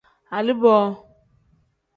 Aliboo.